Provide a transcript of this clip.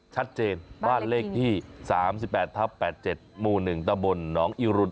ชัดเจนบ้านเลขที่๓๘ทับ๘๗หมู่๑ตำบลหนองอิรุณ